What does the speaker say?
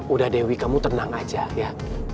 udah dewi kamu tenang aja ya